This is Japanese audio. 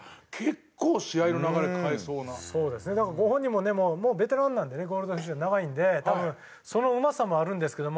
ご本人もねもうベテランなんでねゴールドシュミット長いのでそのうまさもあるんですけども。